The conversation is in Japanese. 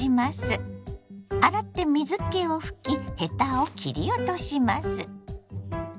洗って水けを拭きヘタを切り落とします。